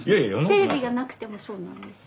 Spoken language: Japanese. テレビがなくてもそうなんです。